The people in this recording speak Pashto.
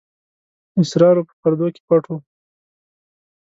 اسرارو په پردو کې پټ وو.